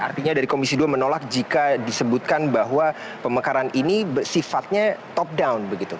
artinya dari komisi dua menolak jika disebutkan bahwa pemekaran ini sifatnya top down begitu